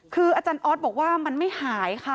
คืออาจารย์ออสบอกว่ามันไม่หายค่ะ